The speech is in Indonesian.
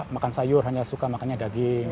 makan sayur hanya suka makannya daging